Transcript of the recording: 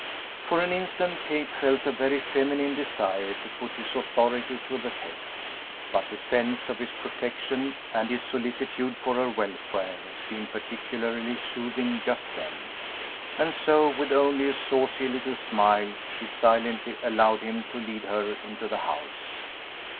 For an instant Kate felt a very feminine desire to put his authority to the test, but the sense of his protection and his solicitude for her welfare seemed particularly soothing just then, and so, with only a saucy little smile, she silently allowed him to lead her into the house.